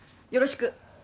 よろしく。